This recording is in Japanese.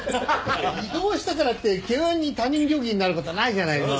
異動したからって急に他人行儀になる事はないじゃないですか。